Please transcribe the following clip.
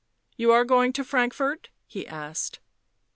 " You are going to Frankfort?" he asked.